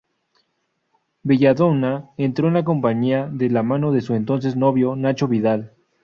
Belladonna entró en la compañía de mano de su entonces novio Nacho Vidal.